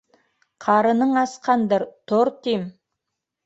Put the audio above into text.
Ҡарының асҡандыр, тор, тим!